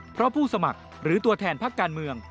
เพราะผู้สมัครหรือตัวแทนพักการเมือง